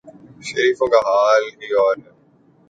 شریفوں کا حال ہی اور ہے۔